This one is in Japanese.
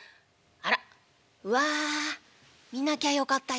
あらうわ見なきゃよかったよ。